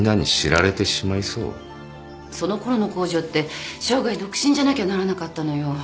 そのころの皇女って生涯独身じゃなきゃならなかったのよ。